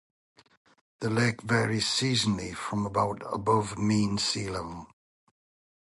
The lake varies seasonally from about above mean sea level.